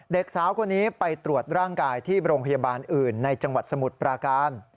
เด็กสาวคนนี้ไปตรวจร่างกายที่โรงพยาบาลอื่นในจังหวัดสมุทรปราการ